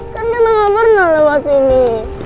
kan kita gak pernah lewat sini